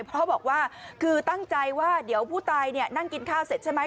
เพราะบอกว่าคือตั้งใจว่าเดี๋ยวผู้ตายนั่งกินข้าวเสร็จใช่ไหม